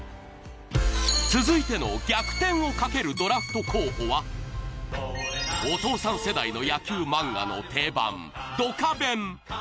続いての逆転をかけるドラフト候補は、お父さん世代の野球漫画の定番「ドカベン」。